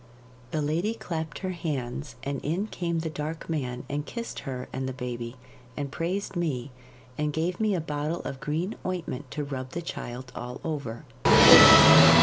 The lady clapped her hands, and in came the Dark Man and kissed her and the baby, and praised me, and gave me a bottle of green ointment to rub the child all over.